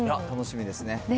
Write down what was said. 楽しみですね。